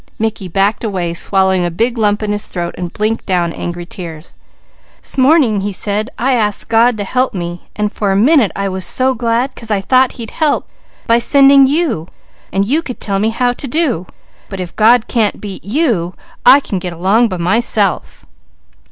Mickey backed away, swallowing a big lump in his throat, and blinking down angry tears. "'Smorning," he said, "I asked God to help me, and for a minute I was so glad, 'cause I thought He'd helped by sending you, so you could tell me how to do; but if God can't beat you, I can get along by myself."